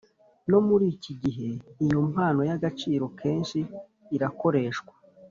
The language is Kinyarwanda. No muri iki gihe iyo mpano y’agaciro kenshi irakoreshwa